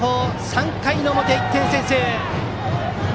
３回の表、１点先制！